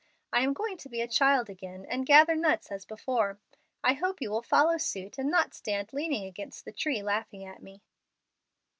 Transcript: I am going to be a child again and gather nuts as before. I hope you will follow suit, and not stand leaning against the tree laughing at me."